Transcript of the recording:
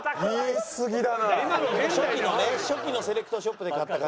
初期のね初期のセレクトショップで買った感じの。